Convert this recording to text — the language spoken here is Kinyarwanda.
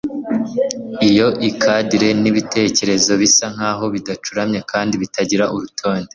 Iyo ikadiri nibitekerezo bisa nkaho bidacuramye kandi bitagira urutonde